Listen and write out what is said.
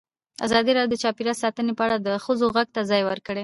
ازادي راډیو د چاپیریال ساتنه په اړه د ښځو غږ ته ځای ورکړی.